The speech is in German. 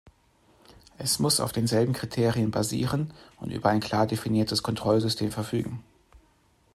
Es muss auf denselben Kriterien basieren und über ein klar definiertes Kontrollsystem verfügen.